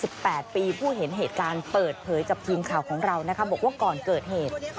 ผู้เห็นเหตุการณ์เปิดเผยกับทีมข่าวของเรานะคะบอกว่าก่อนเกิดเหตุ